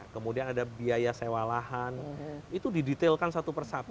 kemudian ada biaya sewa lahan itu didetailkan satu persatu